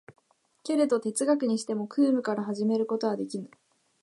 けれど哲学にしても空無から始めることはできぬ。